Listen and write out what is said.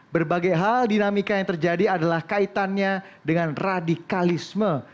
berbagai hal dinamika yang terjadi adalah kaitannya dengan radikalisme